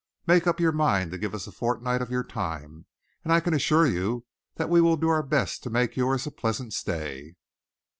Make up your mind to give us a fortnight of your time, and I can assure you that we will do our best to make yours a pleasant stay."